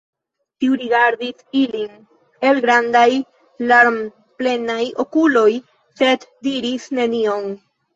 Tiu rigardis ilin el grandaj larmplenaj okuloj, sed diris nenion.